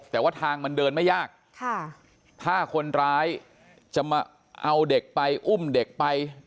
แต่ว่าทางมันเดินไม่ยากถ้าคนร้ายจะมาเอาเด็กไปอุ้มเด็กไป